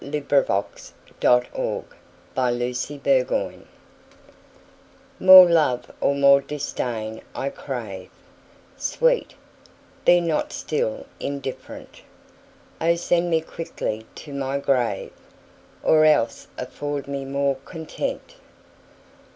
1678 403. Against Indifference MORE love or more disdain I crave; Sweet, be not still indifferent: O send me quickly to my grave, Or else afford me more content!